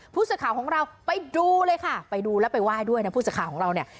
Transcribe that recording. ผู้สื่อข่าวของเราไปดูเลยค่ะไปดูแล้วไปไหว้ด้วยนะผู้สื่อข่าวของเราเนี่ย